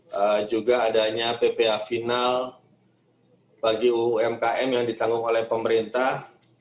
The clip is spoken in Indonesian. kemudian juga adanya ppa final bagi umkm yang ditanggung oleh pemerintah